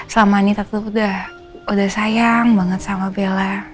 selama ini tante tuh udah sayang banget sama bella